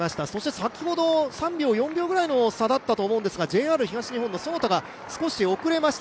先ほど３４秒くらいの差だったと思うんですが、ＪＲ東日本の其田が遅れました。